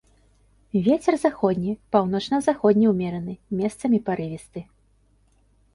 Вецер заходні, паўночна-заходні ўмераны, месцамі парывісты.